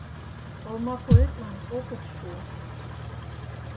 Олмапуэтлан опыт шу.